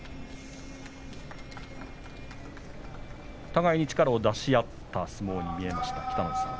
互いに力を出し合った相撲に見えました、北の富士さん。